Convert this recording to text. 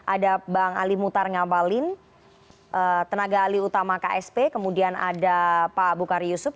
ada bang ali muthar ngabalin tenaga ali utama ksp kemudian ada pak buhari yusuf